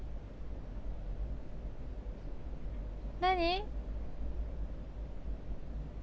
何？